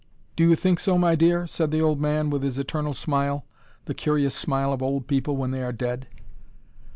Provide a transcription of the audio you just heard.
"Do you think so, my dear?" said the old man, with his eternal smile: the curious smile of old people when they are dead.